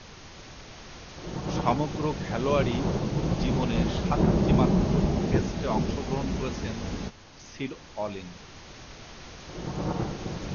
সমগ্র খেলোয়াড়ী জীবনে সাতটিমাত্র টেস্টে অংশগ্রহণ করেছেন সিড ও’লিন।